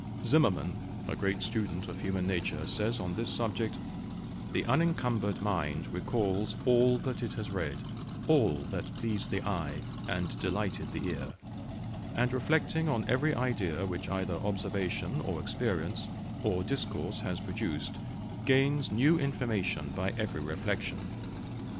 Zimmerman, a great student of human nature, says on this subject "The unencumbered mind recalls all that it has read, all that pleased the eye, and delighted the ear; and reflecting on every idea which either observation, or experience, or discourse has produced, gains new information by every reflection.